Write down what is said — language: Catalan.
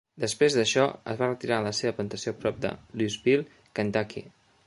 Després d'això es va retirar a la seva plantació prop de Louisville, Kentucky.